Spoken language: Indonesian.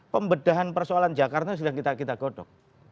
pembedahan persoalan jakarta sudah kita godok